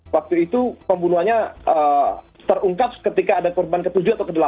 waktu itu pembunuhannya terungkap ketika ada korban ke tujuh atau ke delapan